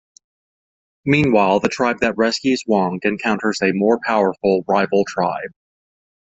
Meanwhile, the tribe that rescues Wong encounters a more powerful rival tribe.